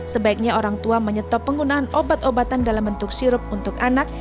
sebaiknya orang tua menyetop penggunaan obat obatan dalam bentuk sirup untuk anak